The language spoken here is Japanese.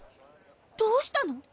どうしたの？